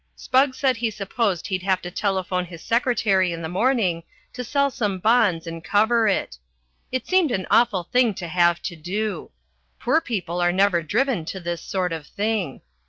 Spugg said he supposed he'd have to telephone his secretary in the morning to sell some bonds and cover it. It seemed an awful thing to have to do. Poor people are never driven to this sort of thing.